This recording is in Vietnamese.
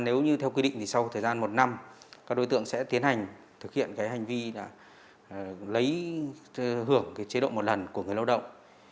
nếu như theo quy định thì sau thời gian một năm các đối tượng sẽ tiến hành thực hiện cái hành vi lấy hưởng chế độ một lần của người lao động